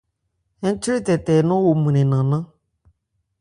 Ńtɛ́trɛ tɛɛ nɔn o mwrɛn nannán.